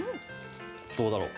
どうだろう？